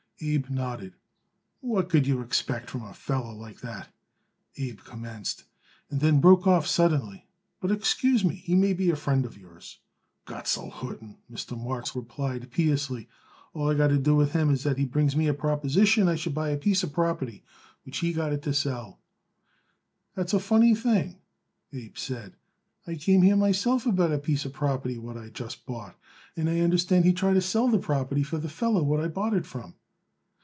Abe nodded. "What could you expect from a feller like that?" Abe commenced, and then broke off suddenly "but excuse me. He may be a friend of yours." "Gott soll hüten," Mr. Marks replied piously. "All I got to do with him is that he brings me a proposition I should buy a piece of property which he got it to sell." "That's a funny thing," Abe said. "I came here myself about a piece of property what I just bought, and I understand he tried to sell the property for the feller what I bought it from."